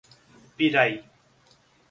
Piraí